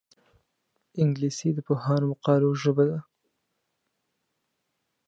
انګلیسي د پوهانو مقالو ژبه ده